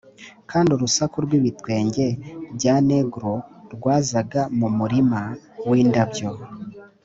kandi urusaku rw’ibitwenge bya negro rwazaga mu murima w’indabyo.